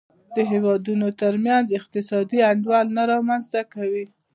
د هېوادونو ترمنځ اقتصادي انډول نه رامنځته کوي.